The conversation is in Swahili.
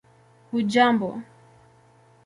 hujambo